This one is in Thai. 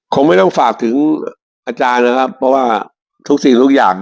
คงไม่ต้องฝากถึงอาจารย์นะครับเพราะว่าทุกสิ่งทุกอย่าง